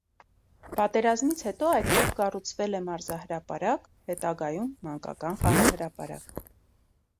Պատերազմից հետո այդտեղ կառուցվել է մարզահրապարակ, հետագայում՝ մանկական խաղահրապարակ։